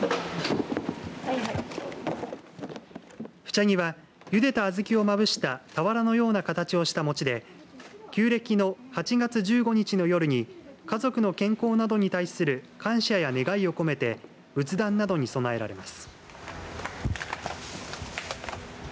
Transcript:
フチャギは、ゆでた小豆をまぶした俵のような形をした餅で旧暦の８月１５日の夜に家族の健康などに対する感謝や願いを込めて仏壇などに供えられます。